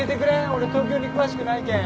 俺東京に詳しくないけん。